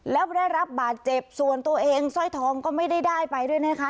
แล้วได้รับบาดเจ็บส่วนตัวเองสร้อยทองก็ไม่ได้ได้ไปด้วยนะคะ